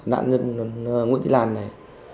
nạn nhân nguyễn thị lan này